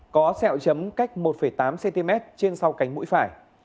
có sẹo chấm cách một tám cm trên sau cánh mũi phải